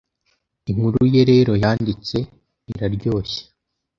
inkuru ye rero yanditse iraryoshye